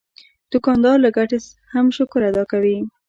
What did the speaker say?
دوکاندار له ګټې هم شکر ادا کوي.